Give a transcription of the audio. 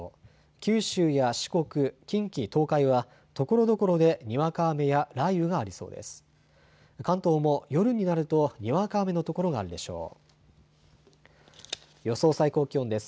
九州や四国、近畿、東海は、ところどころでにわか雨や雷雨がありそうです。